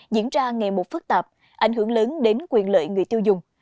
diễn ra ngày một phức tạp ảnh hưởng lớn đến quyền lợi người tiêu dùng